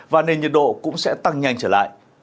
và nền nhiệt độ cũng sẽ tăng nhanh trở lại